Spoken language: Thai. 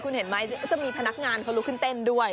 คุณเห็นไหมจะมีพนักงานเขาลุกขึ้นเต้นด้วย